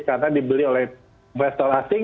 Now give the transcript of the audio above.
karena dibeli oleh investor asing